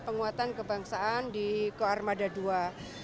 penguatan kebangsaan di ke armada ii